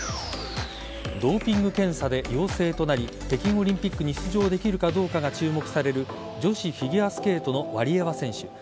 ドーピング検査で陽性となり北京オリンピックに出場できるかどうかが注目される女子フィギュアスケートのワリエワ選手。